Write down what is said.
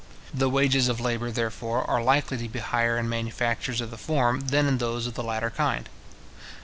The wages of labour, therefore, are likely to be higher in manufactures of the former, than in those of the latter kind.